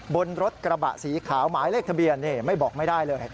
บนรถกระบะสีขาวหมายเลขทะเบียนไม่บอกไม่ได้เลย